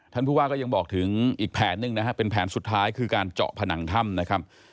ท่านผู้ว่าก็ยังบอกถึงอีกแผนหนึ่งนะฮะเป็นแผนสุดท้ายคือการเจาะผนังถ้ำนะครับ